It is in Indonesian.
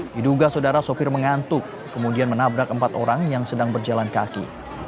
diduga saudara sopir mengantuk kemudian menabrak empat orang yang sedang berjalan kaki